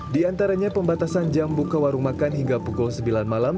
di antaranya pembatasan jam buka warung makan hingga pukul sembilan malam